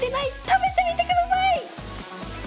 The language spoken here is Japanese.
食べてみて下さい！